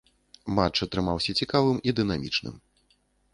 Матч атрымаўся цікавым і дынамічным.